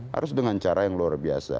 harus dengan cara yang luar biasa